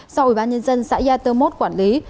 sau ubnd xã yat tơ mốt quản lý